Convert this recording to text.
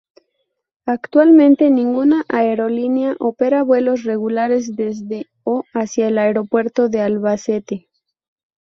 Actualmente ninguna aerolínea opera vuelos regulares desde o hacia el Aeropuerto de Albacete.